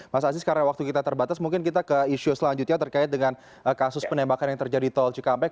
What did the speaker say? mas aziz karena waktu kita terbatas mungkin kita ke isu selanjutnya terkait dengan kasus penembakan yang terjadi di tol cikampek